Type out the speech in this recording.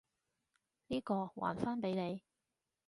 呢個，還返畀你！